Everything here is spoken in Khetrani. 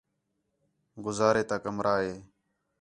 گُزارے تا کمرہ ہے